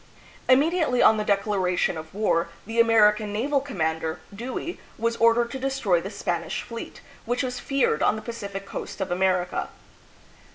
Immediately on the declaration of war, the Amer ican naval commander, Dewey, was ordered to destroy the Spanish fleet, which was feared on the Pacific coast of America.